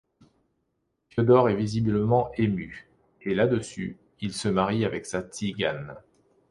Fiodor est visiblement ému, et là-dessus, il se marie avec sa tzigane.